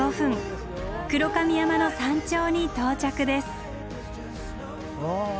黒髪山の山頂に到着です。